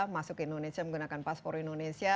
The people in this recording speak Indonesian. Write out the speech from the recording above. masuk ke indonesia menggunakan paspor indonesia